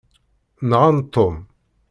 Nɣan Tom.